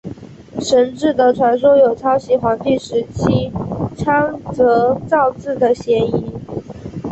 神志的传说有抄袭黄帝时期仓颉造字的嫌疑。